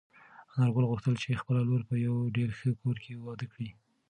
انارګل غوښتل چې خپله لور په یوه ډېر ښه کور کې واده کړي.